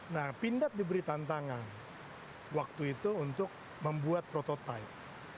nah pindad diberi tantangan waktu itu untuk membuat prototipe